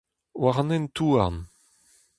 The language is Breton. War an hent-houarn.